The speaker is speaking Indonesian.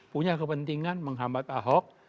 punya kepentingan menghambat ahok